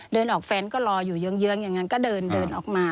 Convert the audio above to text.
เดินออกแฟนก็รออยู่เยื้องอย่างนั้นก็เดินออกมา